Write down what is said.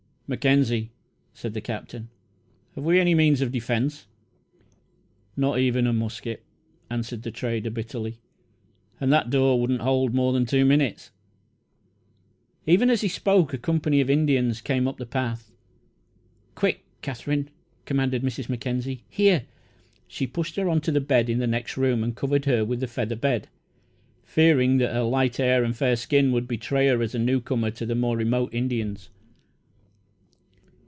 "Mackenzie," said the Captain, "have we any means of defence?" "Not even a musket," answered the trader, bitterly; "and that door wouldn't hold more than two minutes." Even as he spoke a company of Indians came up the path. "Quick, Katherine," commanded Mrs. Mackenzie "here!" She pushed her on to the bed in the next room and covered her with the feather bed, fearing that her light hair and fair skin would betray her as a newcomer to the more remote Indians.